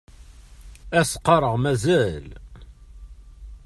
Ad s-qqaṛeɣ mazal.